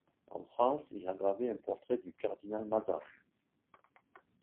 En France, il a gravé un portrait du cardinal Mazarin.